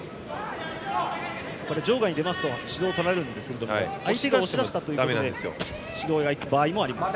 場外に出ると指導を取られますが相手が押し出した時にも指導が行く場合があります。